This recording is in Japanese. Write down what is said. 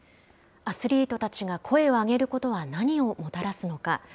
アスリートたちが声を上げることは何をもたらすのか。